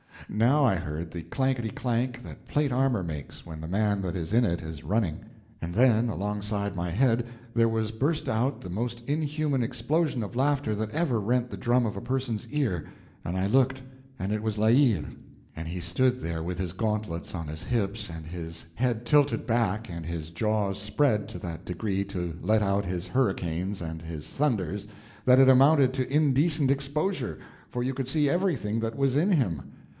Now I heard the clankety clank that plate armor makes when the man that is in it is running, and then alongside my head there burst out the most inhuman explosion of laughter that ever rent the drum of a person's ear, and I looked, and it was La Hire; and the stood there with his gauntlets on his hips and his head tilted back and his jaws spread to that degree to let out his hurricanes and his thunders that it amounted to indecent exposure, for you could see everything that was in him.